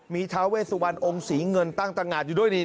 มีท้าเวสุวรรณองค์ศรีเงินตั้งตะงานอยู่ด้วยนี่